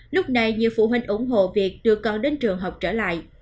lúc này nhiều phụ huynh ủng hộ việc đưa con đến trường học trở lại